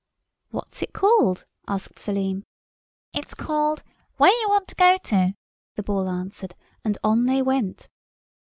"What's it called?" asked Selim. "It's called Whereyouwantogoto," the Ball answered, and on they went.